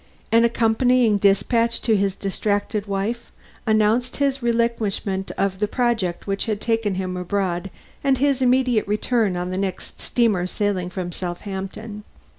An accompanying despatch to his distracted wife announced his relinquishment of the project which had taken him abroad and his immediate return on the next steamer sailing from Southampton.